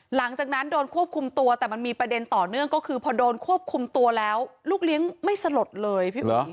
หลังจากนั้นโดนควบคุมตัวแต่มันมีประเด็นต่อเนื่องก็คือพอโดนควบคุมตัวแล้วลูกเลี้ยงไม่สลดเลยพี่อุ๋ย